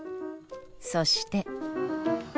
そして。